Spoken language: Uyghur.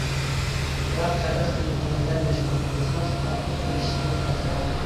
بىراق قەدىر قىممىتىڭىز بىلەن ياشىماقچى بولسىڭىز قاتتىق تىرىشىشىڭىز لازىم.